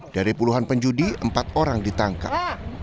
dari puluhan penjudi empat orang ditangkap